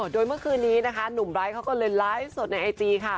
โดยเมื่อคืนนี้นะคะหนุ่มไร้เขาก็เลยไลฟ์สดในไอจีค่ะ